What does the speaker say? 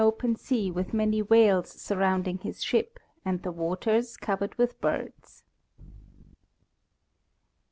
open sea with many whales surrounding his ship and the waters covered with birds.